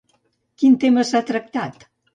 Quin tema s'ha tractat?